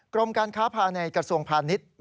กรมการค้าภายในกระทรวงพาณิชย์